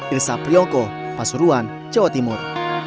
irsa priyoko pasuruan jawa timur